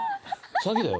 詐欺だよ。